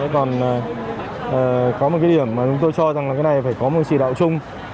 còn có một điểm mà chúng tôi cho rằng là cái này phải có một sỉ đạo chung